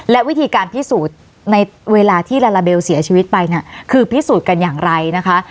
และวิธีการพิสูจน์ในเวลาที่ลาลาเบลเสียชีวิตไปเนี่ยคือพิสูจน์กันอย่างไรนะคะ